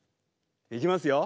いきますよ。